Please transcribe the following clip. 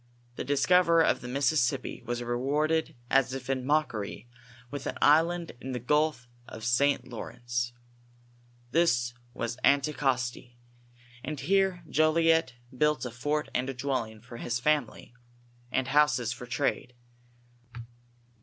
The discoverer of Mississippi was re warded as if in mockery with aii island in the gulf of St. Lawrence. This was Anticosti, and here Jolliet built a fort and a dwelling for his family, and houses for trade.